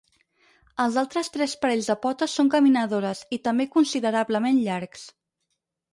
Els altres tres parells de potes són caminadores i també considerablement llargs.